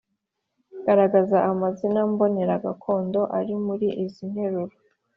garagaza amazina mbonera gakondo ari muri izi nteruro